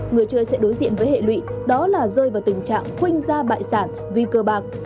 người chơi sẽ đối diện với hệ lụy đó là rơi vào tình trạng khuynh ra bại sản vì cơ bạc